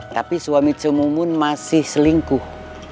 tapi suami cemumun masih selingkuh